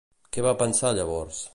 Què va pensar llavors?